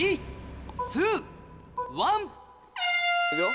いくよ。